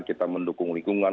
kita mendukung lingkungan